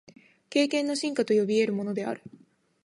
経験の深化と呼び得るものである。